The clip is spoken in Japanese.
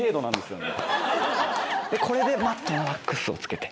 これでマットなワックスをつけて。